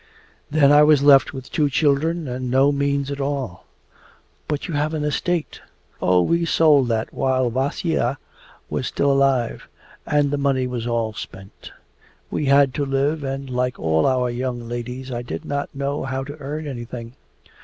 'Then I was left with two children and no means at all.' 'But you had an estate!' 'Oh, we sold that while Vasya was still alive, and the money was all spent. We had to live, and like all our young ladies I did not know how to earn anything.